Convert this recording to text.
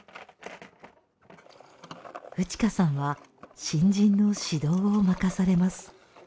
ウチカさんは新人の指導を任されます。